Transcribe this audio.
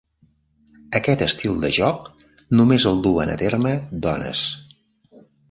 Aquest estil de joc només el duen a terme dones.